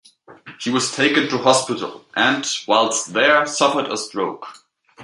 He was taken to hospital and, whilst there, suffered a stroke.